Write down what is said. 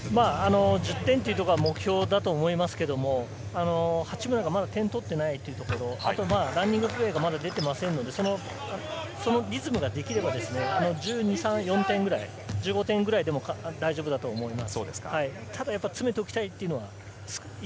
１０点というところは目標だと思いますけど、八村がまだ点を取っていないということ、ランニングプレーがまだ出ていませんので、そのリズムができれば、１２点、１３１４点ぐらい１５点ぐらいでも大丈夫だと思います。